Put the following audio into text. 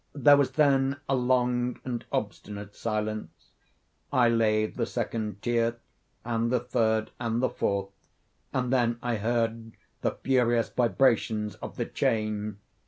There was then a long and obstinate silence. I laid the second tier, and the third, and the fourth; and then I heard the furious vibrations of the chain.